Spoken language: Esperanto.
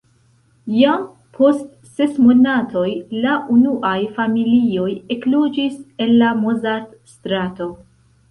Jam post ses monatoj la unuaj familioj ekloĝis en la Mozart-strato.